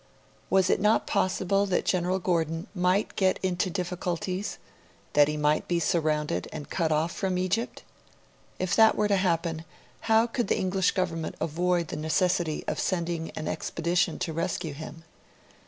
Was it not possible that General Gordon might get into difficulties, that he might be surrounded and cut off from Egypt'? If that were to happen, how could the English Government avoid the necessity of sending an expedition to rescue him?